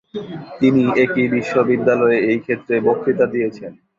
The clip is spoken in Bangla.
তিনি একই বিশ্ববিদ্যালয়ে এই ক্ষেত্রে বক্তৃতা দিয়েছেন।